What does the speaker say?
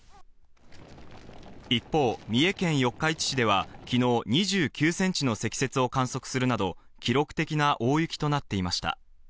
一方、三重県四日市市では昨日、２９センチの積雪を観測するなど記録的な大雪となっていました。